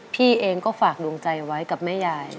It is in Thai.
พี่เองก็ฝากดวงใจไว้กับแม่ยาย